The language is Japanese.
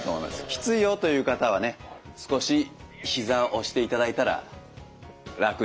きついよという方はね少し膝を押していただいたら楽に立てます。